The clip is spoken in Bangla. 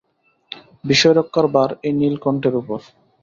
বিষয়রক্ষার ভার এই নীলকণ্ঠের উপর।